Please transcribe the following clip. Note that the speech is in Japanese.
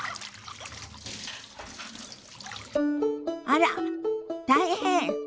あら大変！